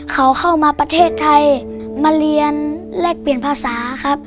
เขาเข้ามาประเทศไทยมาเรียนแลกเปลี่ยนภาษาครับ